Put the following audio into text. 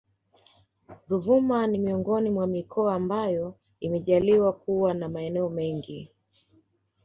Ruvuma ni miongoni mwa mikoa ambayo imejaliwa kuwa na maeneo mengi